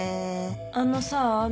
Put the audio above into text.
あのさみ